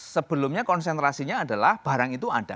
sebelumnya konsentrasinya adalah barang itu ada